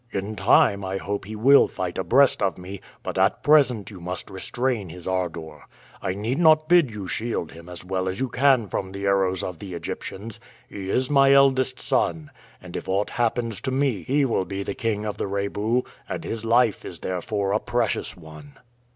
In time I hope he will fight abreast of me, but at present you must restrain his ardor. I need not bid you shield him as well as you can from the arrows of the Egyptians. He is my eldest son, and if aught happens to me he will be the king of the Rebu; and his life is therefore a precious one."